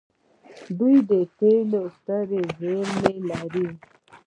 دوی د تیلو سترې زیرمې لري.